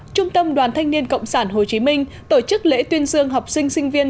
trung tâm đoàn thanh niên cộng sản hồ chí minh tổ chức lễ tuyên dương học sinh sinh viên